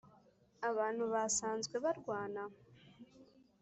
abantu basanzwe barwana?